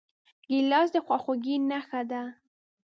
ګیلاس د خواخوږۍ نښه ده.